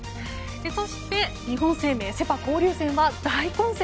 そして、日本生命セ・パ交流戦は大混戦。